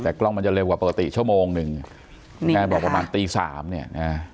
แต่กล้องมันจะเร็วกว่าปกติชั่วโมงหนึ่งแม่บอกประมาณตีสามเนี่ยนะ